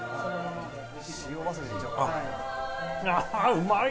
うまい！